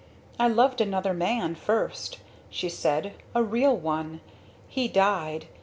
"I loved another man, first," she said. "A real one. He died.